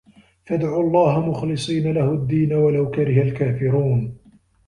فَادعُوا اللَّهَ مُخلِصينَ لَهُ الدّينَ وَلَو كَرِهَ الكافِرونَ